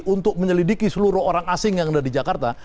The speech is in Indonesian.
untuk menyelidiki seluruh orang asing yang ada di jakarta